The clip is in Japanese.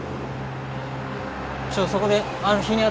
ちょっとそこで。